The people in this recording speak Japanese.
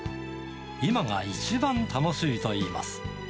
今が一番楽しいといいます。